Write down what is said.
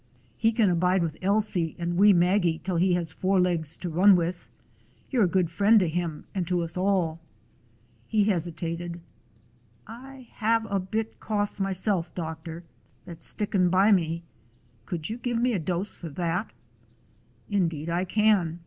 "He can bide with Ailsie and wee Maggie till he has four legs to run with. You 're a good friend to him and to us all." He hesi tated: "I have a bit cough myself, doctor, that 's stickin' by me. Could you give me a dose for that?" "Indeed I can.